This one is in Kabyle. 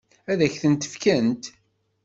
Ad k-tent-fkent?